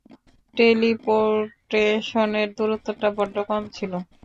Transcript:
টেলিপোর্টেশনের দুরত্বটা বড্ড কম ছিলো।